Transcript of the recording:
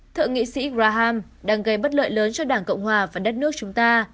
thượng nghị sĩ graham đang gây bất lợi lớn cho đảng cộng hòa và đất nước chúng ta